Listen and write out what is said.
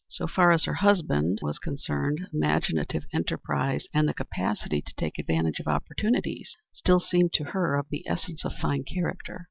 So far as her husband was concerned, imaginative enterprise and the capacity to take advantage of opportunities still seemed to her of the essence of fine character.